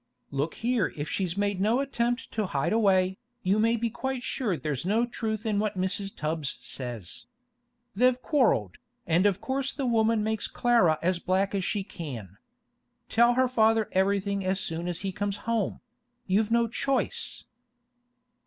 'Look here if she's made no attempt to hide away, you may be quite sure there's no truth in what Mrs. Tubbs says. They've quarrelled, and of course the woman makes Clara as black as she can. Tell her father everything as soon as he comes home; you've no choice.